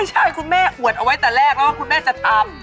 ใช่คุณแม่อวดเอาไว้แต่แรกแล้วคุณแม่จะตั้ม